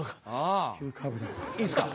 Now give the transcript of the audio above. いいっすか？